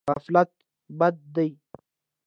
غفلت بد دی.